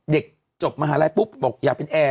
จบมหาลัยปุ๊บบอกอยากเป็นแอร์